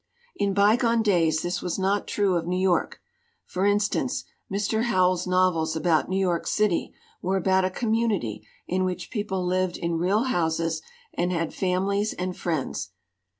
"In bygone days this was not true of New York. For instance, Mr. Howells's novels about New York City were about a community in which '3 193 LITERATURE IN THE MAKING people lived in real houses and had families and friends.